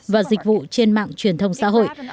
và dịch vụ trên mạng truyền thông xã hội